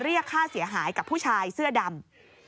เรียกค่าเสียหายกับผู้ชายเสื้อดำ